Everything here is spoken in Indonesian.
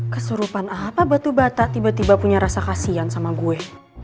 kesurupan apa batu bata tiba tiba punya rasa kasihan sama gue